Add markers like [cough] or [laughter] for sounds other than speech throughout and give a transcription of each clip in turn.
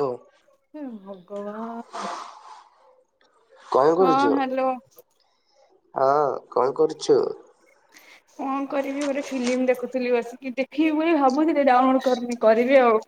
ଓ ହଁ ଭଗବାନ କଣ ହଁ କରୁଛ ହ୍ୟାଲୋ ହଁ କଣ କରୁଛ? [inaudible] କଣ କରିବି ଗୋଟେ ଫିଲ୍ମ ଦେଖୁଥିଲି ବସିକି ଦେଖିବି ବୋଲି ଭାବୁଥିଲି ଡାଉନଲୋଡ କରନି କରିବି ଆଉ।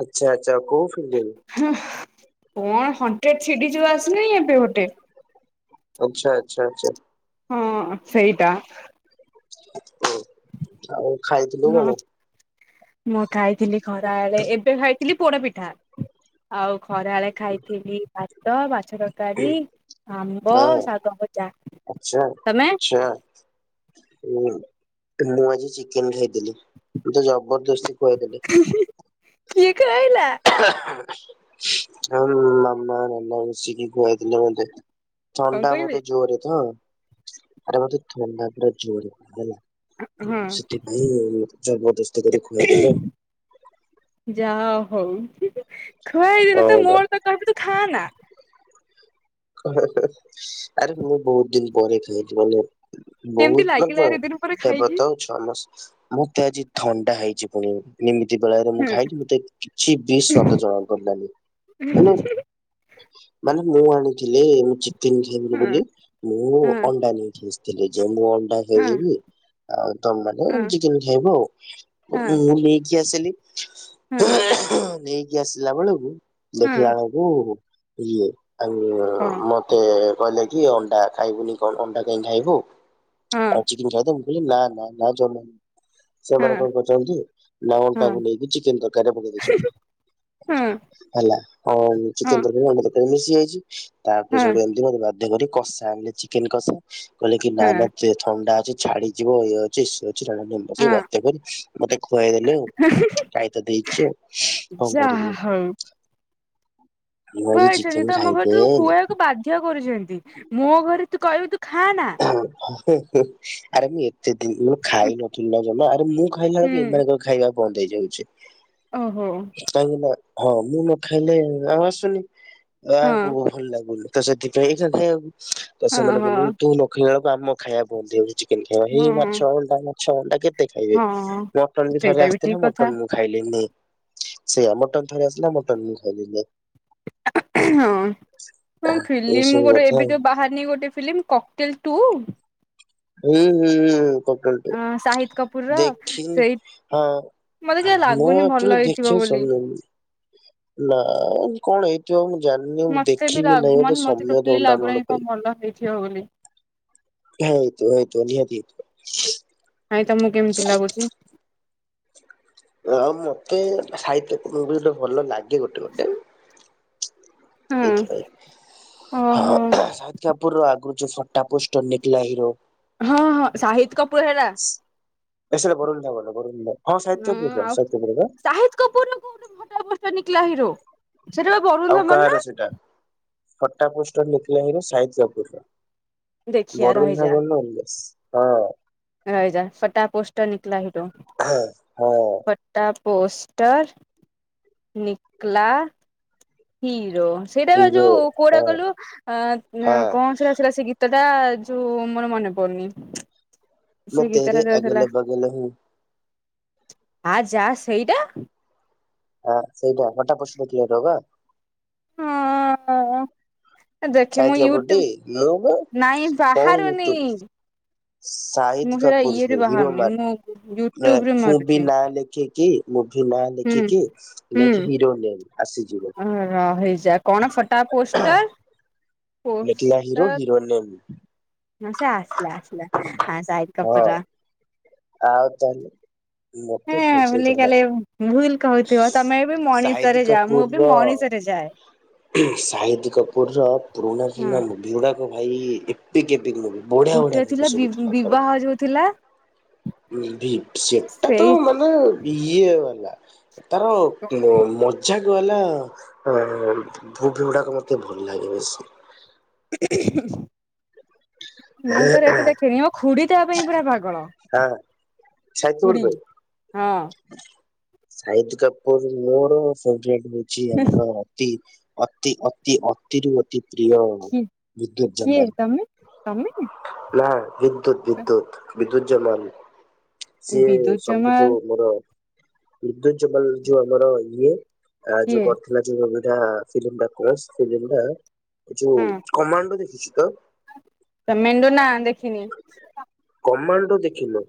ଆଚ୍ଛା ଆଚ୍ଛା ଆ କୋଉ ଫିଲିମ୍? ହଁ କଣ ହଣ୍ଡ୍ରେଡ ଛିଡି ଯୋଉ ଆସି ଲାଇଁ ଏବେ ଗୋଟେ ଆଚ୍ଛା ଆଚ୍ଛା ଆଚ୍ଛା। ହଁ ସେଇଟା। ହ ଆଉ ଖାଇଥିଲୁ ହଁ କଣ? ମୁଁ ଖାଇଥିଲି ଖରା ବଳେ ଏବେ ଖାଇଥିଲି ପୋଡପିଠା, ଆଉ ଖରାବେଳେ ଖାଇଥିଲି ଭାତ ବା ଛ ତରକାରୀ, ଆମ୍ବ, ହଁ ଶାଗ ଭଜା, ତମେ? ଜିରା ଉଁ ମୁଁ ଆଜି ଚିକେନ ଖାଇଥିଲି, ମତେ ତେ ଜବରଦସ୍ତି ଖୁଆଇଦେଲେ। କିଏ ଖୁଆଇଲା? ଆଉ ମାମା ନନା ମିଶିକି ଖୁଆଇଦେଲେ ମତେ। କଣ ଥଣ୍ଡା କହିବି ମତେ ଜୋରେ ତ, ଆରେ ମତେ ଥଣ୍ଡା ପୁରା ଜୋରେ ହେଲା। ହଁ ସେଥିପାଇଁ ଜବରଦସ୍ତି କରି ଖୁଆଇଦେଲେ ଆଉ। ଯା ହଉ ଖୁଆଇଦିନ ତ ହଁ ବା ମୋର ତ କହିବେ ତୁ ଖାଆ ନା। ଆରେ ମୁଁ ବହୁତ ଦିନ ପରେ ଖାଇଚି ମାନେ କେମିତି ବହୁତ ଲାଗିଲା ଥର ଏତେ ଦିନ ପରେ ହେବ ଖାଇକି ତଉ ଛଅ ମାସ ମତେ ଆଜି ଥଣ୍ଡା ହେଇଛି ପୁଣି, ଏମିତି ବେଳରେ ମୁଁ ଖାଇଛି ମତେ କିଛି ବି ସ୍ଵାଦ ଜଣା ପଡ଼ିଲାନି, ହୁଁ। ମାନେ ମାନେ ମୁଁ ଆଣି ଥିଲି ଚିକେନ୍ ଖାଇବିନି ଯାହା ବୋଲି, ମୁଁ ଅଣ୍ଡା ନେଇକି ଆସିଥିଲି, ଯେ ମୁଁ ଅଣ୍ଡା ନେଇଯିବି ଆଉ ତମ ମାନେ ଚିକେନ ଖାଇବ ଆଉ, ମୁଁ ନେଇକି ଆସିଲି। ହଁ। ନେଇକି ଆସିଲା ବେଳକୁ ଦେଖିଲା ବେଳକୁ ଇଏ ଆଉ ମତେ କହିଲେ କି ଅଣ୍ଡା ଖାଇବୁନି କଣ ଅଣ୍ଡା କାଇଁ ଖାଇବୁ ଆଉ ଚିକେନ୍ ଖାଇ ଦେ, ମୁଁ କହିଲି ନା ନା ନା ଜମା ସେମାନେ କଣ କରଛନ୍ତି ନା, ଅଣ୍ଡାକୁ ନେଇକି ଚିକେନ ତରକାରୀରେ ପକେଇ ଦଇଛନ୍ତି। ହେଲା ହଁ ଚେକେନ ତରକାରୀ ଅଣ୍ଡା ତରକାରୀରେ ମିଶି ଯାଇଛି, ତାପରେ ସେଇଠୁ ଏମ ବାଧ୍ୟ କରି କଷା ଆଣିଲେ ଚିକେନ କଷା କହିଲ କି ନା ନା ଥଣ୍ଡା ଅଛି ଛାଡି ଯିବ, ଇଏ ଅଛି ସିଏ ଅଛି ଯାଣନମ ବାଧ୍ୟ କରି ମତେ ଖୁଆଇଦେଲେ ଆଉ ଖାଇ ତ ଦେଇଛି ଆଉ କଣ କରିବି ଆଉ। ହଉ ମୁଁ ଆଜି ଖୁଆଇଛନ୍ତି ଚିକେନ ତ ଆମ ଘରେ ତ ଖାଇଦେଲି ଖୁଆଇବାକୁ ବାଧ୍ୟ କରୁଛନ୍ତି, ମୋ ଘରେ ତୁ କହିବେ ତୁ ଖା ନା ଆରେ ମୁଁ ଏତେ ଦିନ ଖାଇ ନଥିଲି ନା ଜମା, ଆରେ ମୁଁ ଖାଇଲା ହୁଁ ବେଳକୁ ଏମାନଙ୍କର ଖାଇବା ବନ୍ଦ ହେଇଯାଉଛି। ଓହୋ। କାହିଁକି ନା ହଁ ମୁଁ ନ ଖାଇଲେ ଆଉ ଆସୁନି ହଁ ଆକୁ ଭଲ ଲାଗୁନି। ତ ସେଥିପାଇଁ ଏଇା ଖାଇବାକୁ, ତ ହଁ ସେମାନେ ହଁ କହିଲେ ତୁ ନଖେଇଲା ବେଳକୁ ଆମ ଖାଇବା ବନ୍ଦ ହେଇଯାଉଛି। କେତେ ଏଇ ମାଛ ହଁ ଅଣ୍ଡା ମାଛ ଅଣ୍ଡା କେତେ ଖାଇବେ, ହଁ ମଟନ ବି ଥରେ ସେଇଟା ଆସିଥିଲା ଠିକ କଥା ମଟନ ମୁଁ ଖାଇଲିନି ସେଇଆ ମଟନ ଥରେ ଆସିଲା ମଟନ ମୁଁ ଖାଇଲିନି। ହଁ ହଁ ଏଇ ଫିଲ୍ମ ସବୁ ଗୋଟ କଥା ଏବେ ଆଉ। ଯୋଉ ବାହାରନି ଗୋଟେ ଫିଲ୍ମ କକ୍ଟେଲ ଟୁ? ହୁଁ ହୁଁ ହୁଁ କଟ ଅଁ ସାହି ଦେଖିନି ହଁ ମତେ କାଇଁ ମୁଁ ଲାଗୁନି ଭଲ ଆକଚ୍ୟେଲି ହେଇଥିବ ଦେଖନି ବୋଲି। ସମନ ନାଁ। କଣ ହେଇଥିବ ମୁଁ ଜାଣିନି ମୁଁ ମତେ ବି ଦେଖିବି ଲାଗୁ ନାହିଁ ମୋତେ ମାନେ ମତେ ସମୟ ଦ ଟୋଟାଲି ଡାଉନଲୋଡ ଲାଗୁନାହିଁ କଣ ପାଇଁ। ଭଲ ହେଇଥିବ ବୋଲି। ଯାହା ହେଇଥିବ ହେଇଥିବ ନିହାତି ନାଇଁ ତମକୁ କେମିତି ଲାଗୁଚି। ଆଉ ମତେ ସାହିଦ୍ କପୁର ମୁଭି ଗୋଟେ ଭଲ ଲାଗେ ଗୋଟେ ଗୋଟେ। ହଁ। ଏଇଥିପାଇଁ ହଁ ଓହୋ ସାହିଦ କାପୁର ର ଆଗରୁ ଯୋଉ ଫଟା ପୋଷ୍ଟର ନିକଲା ହିରୋ ହଁ ହଁ ସାହିଦ କପୁର ହେଲା ଏ ସେଇଟା ବରୁନ ଧାବନ ବରୁନ ଧା ହୁଁ ଆଉ ସାହିଦି କପୁରର କୋଉଠି ଫଟା ପୋଷ୍ଟର ନିକିଲା ହିରୋ। ସେଟା ବା ବରୁଣ ଆଉ ଧବନ ନା କାହାର ସେଇଟା ଫଟା ପୋଷ୍ଟର ନୀକିଲା ହିରୋ ସାହିଦ କପୁରର। ଦେଖିଆ ବରୁନ ଧାବନ୍ ର [unintelligible] ହଁ। ରହି ଯା ଫଟା ପୋଷ୍ଟର ନିକଲା ହିରୋ ହଁ ହଁ ଫ ଟା ପୋଷ୍ଟର ନିକଲା ହିରୋ ସେଇଟା ବା ହିରୋ ଯୋଉ କୋଉଟା ହଁ କଇଲୁ ଅଁଉଁ ହଁ କଣ ସେଇଟା ସେଇଟା ସେ ଗୀ ତଟା ଯୋଉ ମୋର ମନେ ପଡୁନି। ମୁଁ ସେ ତେରେ ଗୀତଟା ଦୋଉଥିଲା ଅଗଲେ ବଗଲେ ହୁଁ ଆ ଯା ସେଇଟା। ହଁ ସେଇଟା ଫଟା ପୋଷ୍ଟର ନିକଲା [unintelligible] ହଁଅଁ। ସାହିତ କାପୁରଟି ନୁବ ନାଇଁ ପଉନ ବାହାରୁନି ମିଟୁ ମୁଁ ଶାହିଦ ସେଇଟା କପୁର ଇଏ ରୁ [unintelligible] ବାହାରୁନି ମୁଁ ୟୁଟ୍ୟୁବ ରେ ମୁଭି ମାରୁଛି ନାଁ ଲେଖିକି ମୁଁଭି ନାଁ ହୁଁ ଲେଖିକି ଲେଖେ ହିରୋ ନେମ୍ ଆସିଯିବ। ହଁ ରହିଯା କଣ ଫଟା ପୋଷ୍ଟର ନିକିଲା ହିରୋ ହିରୋ ନେମ୍। ହଁ ସେ ଆସିଲା ଆସିଲା ହଁ ସାହିଦ ହଁ କପୁରର। ଆଉ ତାହେଲେ ହଁ ମତେ [unintelligible] ବୋଲି କାଲି ଭୁଲ କହୁଥିବ ତମେ ଏବେ ମଣିଷ ସାହିଦ ରେ ଯାଅ କପୁର ମୁଁ ବି ମଣିଷ ର ରେ ଯାଏ। ସାହିଦ କପୁର ର ପୁରୁଣା ଫିଲ ହଁ ମୁଭି ଉଡାକ ଭାଇ ଏତିକ ଏତିକ ମୁଭି ବଢିଆ ବଢିଆ ମୁଭି ସବୁ ଥିଲା ତାର। ଯଉଥିଲା। [unintelligible] ସେଟା ତ ସେଇ ମାନେ ଇଏ ବାଲା। ତାର ଉ ମଜା ବାଲା ଅଁ ଭୁବ ଗୁଡାକ ମତେ ଭଲ ଲାଗେ ବେଶୀ। ହୁଁ ହୁଁ ହୁଁ। ମୁଁ ତାର ଏତେ ଦେଖେନି ମୋ ଖୁଡି ତା ପାଇଁ ପୁରା ପାଗଳ। ହଁ ସାହିଦ କପୁର ଖୁଡି ପାଇଁ। ହଁ। ସାହିଦ କାପୁର ମୋର ଫେବରେଟ ହଉଛି ଆମର ତି ଅତି ଅତି ଅତିରୁ ଅତି ପ୍ରିୟ କି ବିଦ୍ୟୁତ କିଏ ତମେ ତମେ ଜେନାଲ। ନା ବିଦ୍ୟୁତ ବିଦ୍ୟୁତ ବିଦ୍ୟୁତ ଜନାଲ।। ସିଏ ବିଦ୍ୟୁତ ସବୁଠୁ ଜମାଲ ମୋର ବିଦୁତ ଜନାଲ ଯୋଉ ଆମର ଇଏ ଆ ଯୋଉ କିଏ କରିଥିଲା ଯୋଉ ଅବିକା ସେ ଯୋଉ [unintelligible] ଫିଲ୍ମଟା। ଯୋଉ ହଁ କମାଣ୍ଡ ଦେଖିଛୁ ତ। ତ ମେଣ୍ଡୁ ନା ଦେଖିନି। କମାଣ୍ଡୋ ଦେଖିନ।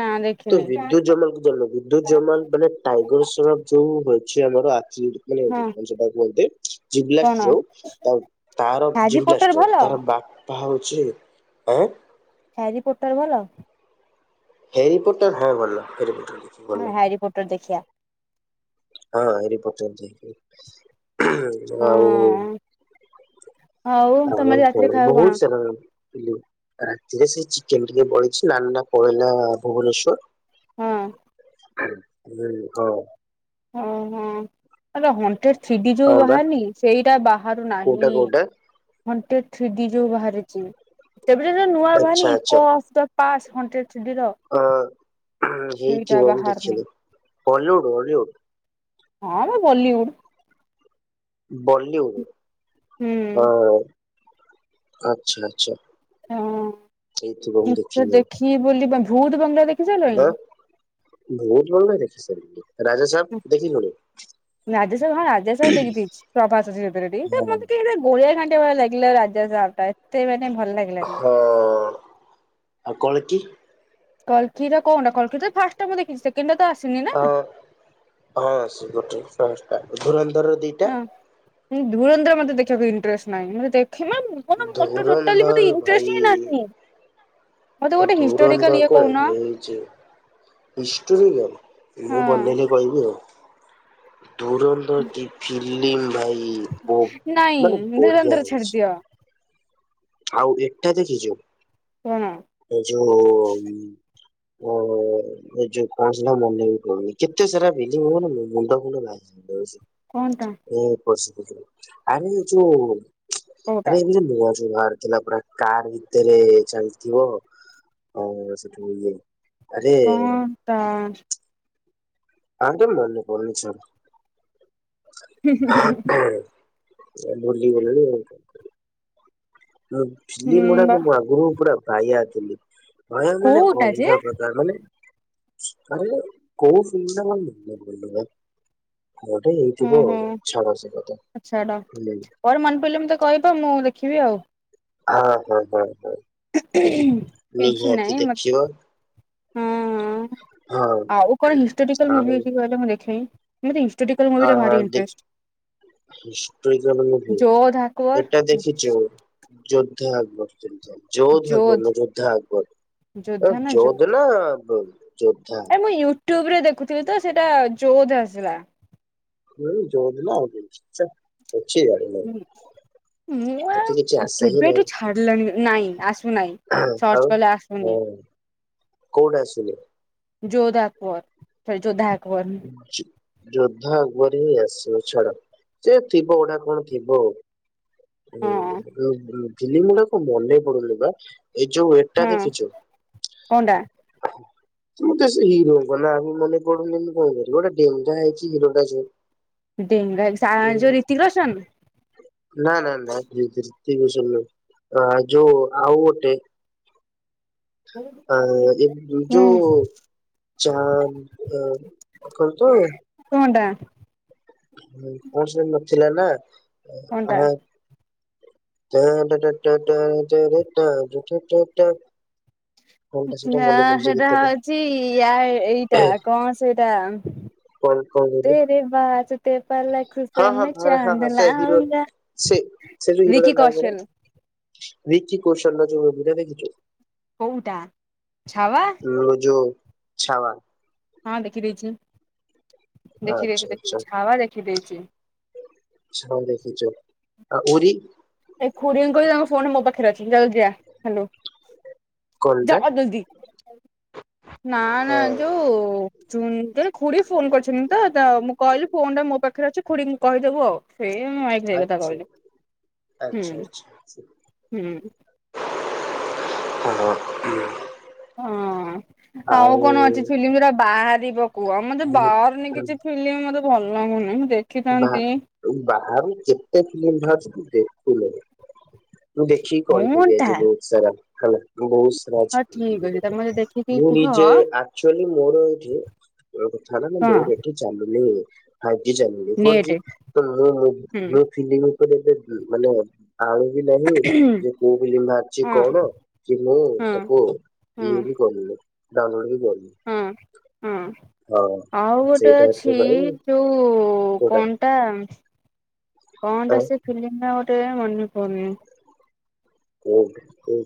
ନା ଦେ ତ ବିଦ୍ୟୁତ ଜମକ ଜମଲ ବିଦ୍ୟୁତ ଜମଲ ମାନେ ଟାଇଗରସର ଯୋଉ ଅଛି ଆମର [unintelligible] ହଁ ମାନେ କଣ ସେଟାକୁ କୁହନ୍ତି କଣ ଜିବ୍ଲାସ ଯୋଉ। ତା ତାର ହ୍ୟାରି ଯେମିତି ପୋଟର ଅଷ୍ଟର ଭଲ ତାର ବାପପା ହଉଚି ହେଁ ହାରି ପୋର୍ଟର ଭଲ? ହେରରିପୋର୍ଟ ହଁ ଭଲ ହେରରିପୋର୍ଟର ଭଲ। ହଁ ହାରି ପୋର୍ଟର ଦେଖିଆ। ହଁ ହେରି ପୋର୍ଟର ଦେଖି ଯୋ ଆଉ। ହଁ ଆଉ ତମେ ରାତିରେ କଣ ଖାଇବ ବହୁତ ସାରା ଲୁ ରାତିରେ ସେ ଚିକେନ ଟିକେ ବଳିଚି। ଆନନ୍ଦ ପଳେଇଲା ଭୁବନେଶ୍ୱର। ହଁ। ହୁଁ ହଁ କ ଓ ହୋ। ଏଟା ହମ୍ ଥ୍ରୀଡି ଯୋଉ ହଁ ବା ବାହାରିନି ସେଇଟା ବାହାରୁ କୋଉଟା ନାହିଁ। କୋଉଟା ୱାନ ଟୁ ଥ୍ରିଡି ଯୋଉ ବାହାରିଚି ସେବେ ଯୋଉ ନୂଆ ଆଚ୍ଛା ବାହାରିନି ଆଚ୍ଛା ଇକୋ ଅସ୍ ଡ ପାସ ହଣ ଟେ ଅ ସେଇଟା ହେଇଥିବ ମୁଁ ବାହାରିନି ଦେଖିନି। Hollywood Hollywood? ହଁ ମ ବଲିଉଡ। ବଲିଉଡ୍? ହୁଁ। ହଁ ଆଚଛା ଆଚଛା। ଆଉ ଏତେ ଦେଖିନି ଦେଖିବି ବୋଲି ବା ଭୂତ ବଙ୍ଗଳା ଦେଖ ହ ଭୂତ୍ ବଙ୍ଗଳା ଦେଖି ସାରିଲିଣି। ରାଜା ସାହବ ଦେଖିଲୁଣି? ରାଜାସହବ ହଁ ରାଜା ସାହବ ଦେଖିଦେଇଚି। ହଁ [unintelligible] ଗୋଳିଆ ଘଣ୍ଟିଆ ଭଳିଆ ଲାଗିଲା ରାଜା ସାହବ ଟା ଏତ ମାନେ ଭଲ ଲାଗିଲା ହଁ ଆଉ କଳ୍କୀ? କଲକିର କଣ କଲକି ତ ଫାଷ୍ଟଟା ମୁଁ ଦେଖିଚି। ସେକେଣ୍ଡ ଟା ତ ଆସିନି ନା। ହଁ ହଁ ସେ ଗୋଟେ ଫାଷ୍ଟ ଟା। ଓଭରାଲ ଧର ଦି ହଁ। ଧୂରନ୍ଦର ମତେ ଦେଖିବାକୁ ଇଣ୍ଟରେଷ୍ଟ ନାହିଁ। ମୂ ଦେଖନା ମ ମୋର ତ ଟୋଟାଲି ଧୁରନ୍ଧର ମୋତେ ଇଣ୍ଟରେଷ୍ଟ ହଁ ନାହିଁ। ମତେ ଗୋଟେ ହିଷ୍ଟୋରିକାଲ ଧୂରନ୍ଦର ଇଏ କଣ କହୁନ ହେଇଚି। [unintelligible] ମୁଁ ହଁ ଭଲ ଲାଗିଲେ କହିବି ଆଉ, ଧୂରନ୍ଦର [unintelligible] ନିମ ଭାଇ ବୋ ନାଇଁ ମାନେ ବଢିଆ ଧୁରନ୍ଧର ହେଇଚି। ଛାଡିଦିଅ। ଆଉ ଏଟା ଦେଖିଚୁ? କଣ? ଏ ଯଉ ଉମ ଏ ଯୋଉ କଣ ସେଟା ମନେ ବି ପଡୁନି। କେତେ ସାରା [unintelligible] ମାନେ ମୁଣ୍ଡ ଫୁଣ୍ଡ [unintelligible] କଂଟା ଏ ପଶୁପକ୍ଷୀର ଆରେ ଯୋଉ କୋଉଟା ଆରେ ଏବେ ଯୋଉ ନୂଆ ଯୋଉ ବାହାରି ଥିଲା ପରା କାର ଭିତରେ ଚାଲିଥିବ ଉମ ସେଠୁ ଇଏ ଆରେ ପ୍ୟାଣ୍ଟ। [unintelligible] ଏ ଭୁଲିଗଲେଣି ଆଉ। ଏ ହୁଁ ଫିଲିମ ବା ଗୁଡ଼ାକ ମୁଁ ଆଗୁରୁ ପୁରା ବାୟା ଥିଲି। କହିବାକୁ ଗଲେ କୋଉଟା ଯେ ଅଲଗା ପ୍ରକାର ମାନେ ଅନେଇଲେ କୋଉ ସୁଇଚଟା [unintelligible] କଣ ଗୋଟେ ହୁଁ ହେଇଥିବ ଆଉ। ହୁଁ ଛାଡ ସେକଥା ଛାଡ [unintelligible] ପରେ ମନ ପଇଲେ ମତେ କହିବ ମୁଁ ଆଉ ଦେଖିବି ଆଉ। ହଁ ହଁ ହଁ ହଁ। [inaudible] କିଛି ନାହିଁ ମ ଦେଖିବା ଉମ ହଁ। ଆଉ କଣ ହିଷ୍ଟୋରିକାଲ ଆଉ ମୁଭି ଅଛି କହିଲ ମୁଁ ଦେଖେ? ମତେ ହିଷ୍ଟୋରିକାଲ ମୁଭିରେ ଭାରି interest. Historical movie, Jodhaa Akbar ଏଟା ଦେଖିଛୁ? ଯୋଦ୍ଧା ଆକବର। ଯୋଦ୍ଧ ଆକବର ଯୋଧ ନୁହଁ ଯୋଦ୍ଧା ଆକବର ଯୋଦ୍ଧା ଆ ନା ଯୋଧ ଯୋଦ୍ଧ ନା ବ ଯୋଦ୍ଧ। ଆରେ ମୁଁ ୟୁଟ୍ୟୁବ ରେ ଦେଖୁଥିଲି ତ ସେଇଟା ଯୋଦ୍ଧ ଆସିଲା। ଉମ ଯୋଦ୍ଧ ନା ଆଉ କିଛି ଚାଲ କିଛି ଜାଣିନି। ହୁଁ ମୁଁ କିଛି ଆଉ ଆସେ ହିଁ କେବେଠୁ ନାହିଁ ଛାଡିଲାଣି ନ ନାଇଁ ଆସ ନାହିଁ ଆଉ ସର୍ଚ୍ଚ କଲେ ଆସୁନି। ହଁ କୋଉଟା ଆସିନି ଯୋଦ୍ଧ ଆକବର ସରି ଯୋଦ୍ଧା ଆକବର। [inaudible] ଯୋଦ୍ଧା ଆକବର ହିଁ ଆସିବ ଛାଡ। ସେ ଥିବ ଗୋଟା କଣ ଥିବ। ହଁ [unintelligible] ଫିଲ୍ମ ଗୁଡାକ ମନେ ପଡୁନି ବା ଏ ଯୋଉ ଏ ଟା ହଁ ଦେଖିଛୁ। କଣଟା [unintelligible] ସେ ହିରୋଙ୍କ ନା ବି ମନେ [unintelligible] କଁ କରିବୁ ଗୋଟା ଡେଙ୍ଗା ହେଇକି ହିରୋଟା ଯେ ଡେଙ୍ଗା ହେଇ ସା ଯୋ ରିତିକ ରୋଶନ? ନା ନା ନା ହ୍ରି ହ୍ରିତିକ ରୋଶନ ନୁହଁ ଆ ଯୋଉ ଆଉ ଗୋଟେ। ଆ ଏ ଯୋଉ ହୁଁ ଚାନ୍ଦ କଣ ତ କଣ ଟା? ଉମ [unintelligible] ନଥିଲା ନା କଣଟା? ଆ ଟାଁ ଟା ଟାଟା ଟାରେ ଟାରେ ଟାଁ ଟା ଟାଟା ଟା। କଣଟା ସେଟା ମନେ ହାଁ ପଡୁନି ସେ ସେଇଟା ଗୀତଟା। ହଉଛି ୟା ଏଇଟା କଣ ସେଇଟା। ଉମ କଣ କହିଲୁ? [unintelligible] ତେ ପା ଲାଇଖୁ ସେ ହଁ ହଁ ମେ ହଁ ହଁ ଚାନ୍ଦ ହଁ ସେ ହିରୋ ଲାଉଙ୍ଗା, ସେ ବିକି କୌଶଲ। ବିକି କୌଶଲର ଯୋଉ ଏ ଭିଡିଓ ଦେଖିଛୁ? କୋଉଟା ବାବା? ଲୋ ଯୋ ଛାବା। ହଁ ଦେଖି ଦେଇଛି। ଦେଖି ଦେଇଛି ଦେଖିଛି ହାବା ଦେଖି ଦେଇଛି। ଛ ଦେଖିଛୁ ଆଉ ଉରି ସେ ଖୁଡିଙ୍କ ତାଙ୍କ ଫୋନ ମୋ ପାଖରେ ଅଛି ଜଲଦି ଯାଆ ହ ହେଲୁ [unintelligible] ଯା ଜଲଦି ନା ନା ଯୋଉ ଜଣ ଖୁଡୀ ଫୋନ କରିଛନ୍ତି ତ ମୁଁ କହିଲି ଫୋନ ଟା ମୋ ପାଖରେ ଅଛି ଖୁଡିୀଙ୍କୁ କହିଦେବୁ ଆଉ। ସେ [unintelligible] ଆଚଛା ହୁଁ। ଆଚ୍ଛା। ହ [unintelligible] ହଁ ଆଉ କଣ ଅଛି ଫିଲ୍ମୁରା ବାହାରିବ କୁହ ମତେ ବାହାରୁନି କିଛି ଫ [unintelligible] ମତେ ଭଲ ଲାଗୁନି ମୁଁ ଦେ [unintelligible] ବା ବାହାରୁ କେତେ ଫିଲିମ ବାହାରୁଚି [unintelligible] ମୁଁ ଦେଖିକି କହିଦେବି କଣଟା ଆଜି ବହୁତ ସାରା ହେଲା ବହୁତ ସାରା ଅଛି ହଁ କହିଦେବି ଠିକ୍ ତତେ। ଅଛି ତମ ଯଦି ମୁଁ ନିଜେ ଆଚୁଆଲି ମୋର ଏଇଠି କଥା ହେଲା କଣ ମୋର ଏଠି ଚାଲୁି ଫାଇଭ ଜ ଚାଲୁି ଫୋ ଜ ନେଟ ତ ମୁଁ ହୁଁ [unintelligible] ଫିଲ ଉପ ମାନେ [unintelligible] ଆଣୁିବି ନାହିଁ ଯେ କୋଉ ବି ଲିମ୍ ବାରୁଛି ହଁ କଣ କି ମୁଁ ହଁ ତାକୁ [unintelligible] ହଁ ଇଏ ବି କହୁ ଉଲୋଡ଼ ବି କହୁ [unintelligible] ହଁ ହଁ ଆଉ ଗୋଟେ ସେଇଟା ଅଛି ଏଥିପାଇଁ ଯୋଉ କୋଉଟା କଣ ା କଣ ଆଁ ଟା ସେ ଫିଲ୍ମ ଗୋଟେ ମନେ ପଉନି। ହୁଁ ହୁ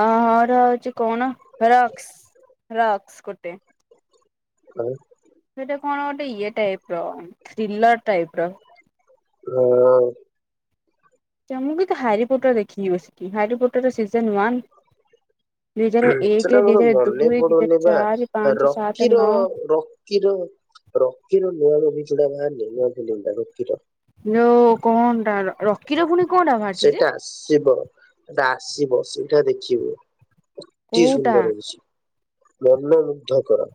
ଅ ହ ର ହଉଛି କଣ ରକ୍ସ ରକ୍ସ ଗୋଟେ। ହାଲୋ ସେଟା କଣ ଗୋଟେ ଇଏ ଟାଇପ ର ଥ୍ରିଲର ଟାଇପ ର। ହଁ ଆ ମୁଁ ବି ତ ହାରିପୋଟ ଦେଖିବି ବ ସେଠି ହାରିପୋଟ ର ସିଜନ ୱାନ୍ ଦୁଇ ହଜାର ଏକ ସେଟା ଦୁଇ ମୋର ହଜାର ମନେ ଦୁଇ ଦୁଇ ହଜାର ପଡୁନି ବା। ଚାରି ପାଞ୍ଚ ସାତ ରକିର ନଅ ରକିର ରକିର ନୂଆ ମୁଭି ଚୁଡା ବା ନୂଆ ରକିର ହୋ କଣ ଟା ରକିର ଭୁଣି କଣ ଟା ବାହାରିଛି ସେଟା ଯେ? ଆସିବ ଆସିବ ସେଇଟା ଦେଖିବ। ଅତି କୋଉଟା ସୁନ୍ଦର ହେଇଛି ମନ ମୁୁଗ୍ଧ କର।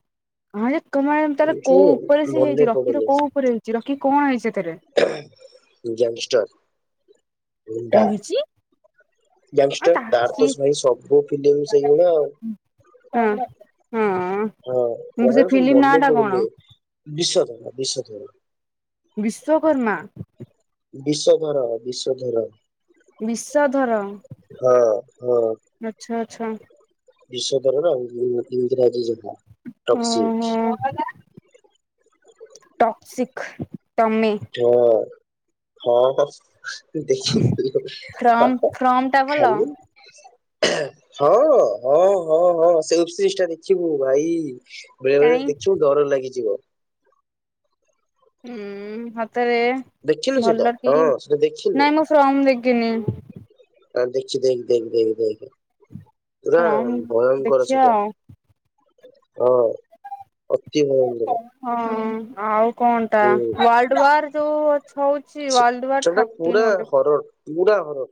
ହଁ ଯେ ତମେ ତାର କୋଉ ଉପରେ ସଏ ମନେ ହେଇଛି ରକ୍ଷିର ପଡୁନି କୋଉ ଉପରେ ହେଇଛି ରକ୍ଷି କଣ ହେଇଛି ସେଥିରେ? ଗ୍ୟାଙ୍ଗଷ୍ଟାର କ ହେଛି? ଙ୍ଗଷ୍ଟର ତାର ତାଇ ସବୁ ଫିଲମ ସେଇଭଳିଆ ଆଉ। ହଁ ହଁ ହଁ ମୁଁ କହ ସେ ସବ ଫିଲ୍ମ ନାଁ ମନେ ଟା କଣ ପଡୁନି ବିଷ ଧର ବିଷ ଧର। ବିଶ୍ଵକର୍ମା। ବିଶ୍ ଧର ବିଶ୍ଵଧର। ବିଶଧର ହଁ ହଁ ଆଛା ଆଚ୍ଛା ବିଶଵ ଦର ଇଂରାଜୀ ଯାହା ଟକସିକ କ [unintelligible] ଟକ୍ସିିକ୍ ତମେ ହଁ ହଁ ଦେଖ ଫ୍ରମ ଫ୍ରମ ଟା ଭଲ ଖାଲି [unintelligible] ହଁ ହଁ ହଁ ହଁ [unintelligible] ଦେଖିବୁ ଭାଇ। ବେଳେ ବେଳେ କାଇଁ ଦେଖିବୁ ଡର ଲାଗିଯିବ। ଉଁ ହାତରେ ଦେଖିନୁ ସେଇଟା ଭଲଟି ହଁ ସେଟା ଦେଖିନୁ ନାଇଁ ମୁଁ ଶ୍ରମ ଦେଖିନି। ନା ଦେଖଖଛି ଦେଖ ଦେଖ ଦେଖ ଦେଖ ନା ଫ୍ରମ ଭୟଙ୍କକର ଦେଖିବା ସେଟା। ଆଉ। ହଁ ତି। ହଁ ଆଉ କଣ ଟା ୱାଲ୍ଡୱାର ଯୋଉ ହଉଛି ୱାର୍ଲଡ ୱାର୍ ଥାର୍ଟିନ୍ ଗୋଟେ ବୁଡା ଘର